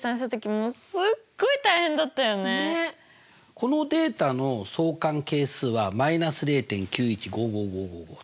このデータの相関係数は「−０．９１５５５」と。